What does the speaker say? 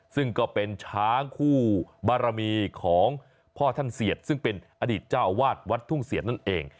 ซึ่งก็เป็นช้างคู่บารมีของพ่อท่านเสียดซึ่งเป็นอดีตเจ้าอาวาสวัดทุ่งเสียบนั่นเอง